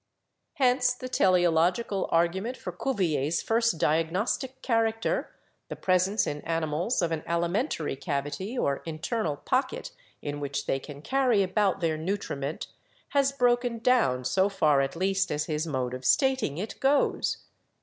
"Hence the teleological argument for Cuvier's first diag nostic character — the presence in animals of an alimentary cavity, or internal pocket, in which they can carry about their nutriment — has broken down, so far, at least, as his mode of stating it goes.